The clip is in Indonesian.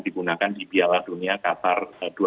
dibunakan di biala dunia qatar dua ribu dua puluh dua